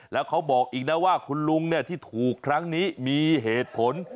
แล้วเขาบอกอีกนะว่าคุณลุงที่ถูกครั้งนี้มีเหตุผล